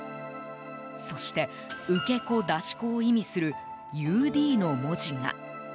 そして、受け子出し子を意味するＵＤの文字が。